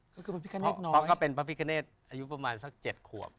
เพราะเขาเป็นพระพิกเงศอายุประมาณสัก๗ขวบ